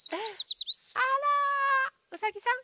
あらうさぎさん。